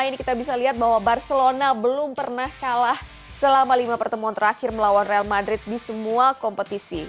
ini kita bisa lihat bahwa barcelona belum pernah kalah selama lima pertemuan terakhir melawan real madrid di semua kompetisi